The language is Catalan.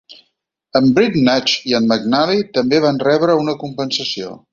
En Breatnach i en McNally també van rebre una compensació.